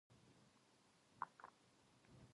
最悪な環境